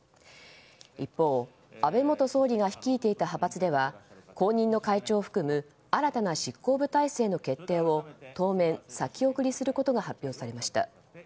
一方、安倍元総理が率いていた派閥では後任の会長を含む新たな執行部体制の決定を当面、先送りすることが発表されました。